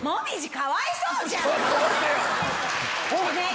かわいそうじゃん！